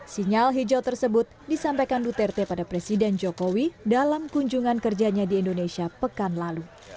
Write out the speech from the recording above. sinyal hijau tersebut disampaikan duterte pada presiden jokowi dalam kunjungan kerjanya di indonesia pekan lalu